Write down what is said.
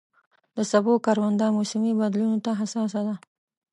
د سبو کرونده موسمي بدلونونو ته حساسه ده.